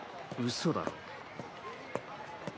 嘘だろ